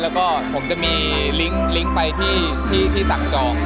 แล้วก็ผมจะมีลิงก์ไปที่สั่งจอง